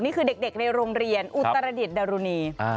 นี่คือเด็กในโรงเรียนอุตรดิษฐ์ดารุณี